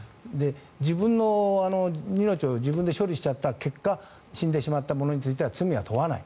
自分の命を自分で処理しちゃった結果死んでしまった者については罪は問わない。